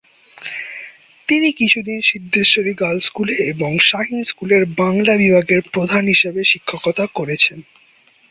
তিনি কিছুদিন সিদ্ধেশ্বরী গার্লস স্কুলে এবং শাহীন স্কুলের বাংলা বিভাগের প্রধান হিসেবে শিক্ষকতা করেছেন।